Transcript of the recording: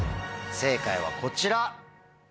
正解はこちら。